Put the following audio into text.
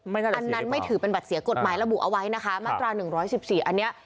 อันนั้นไม่ถือเป็นบัตรเสียกฎหมายระบุเอาไว้นะคะมาตราหนึ่งร้อยสิบสี่อันเนี้ย